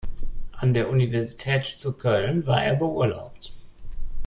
An der Universität zu Köln war er beurlaubt.